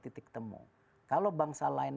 titik temu kalau bangsa lain